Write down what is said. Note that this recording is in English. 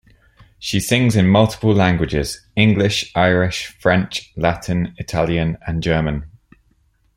She sings in multiple languages: English, Irish, French, Latin, Italian and German.